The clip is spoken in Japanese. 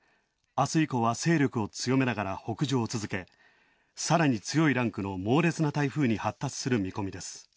明日以降は、勢力を強めながら北上を続けさらに強いランクの猛烈な台風に発達する見込みです。